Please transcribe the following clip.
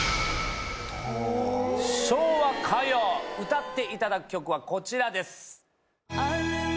「昭和歌謡」歌っていただく曲はこちらです。